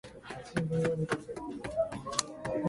愛情は瞬間的な感情ではない.―ジグ・ジグラー―